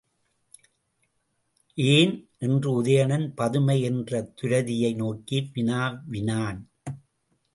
ஏன்? என்று உதயணன் பதுமை என்ற துரதியை நோக்கி வினாவினான்.